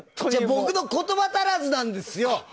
僕の言葉足らずなんですよ。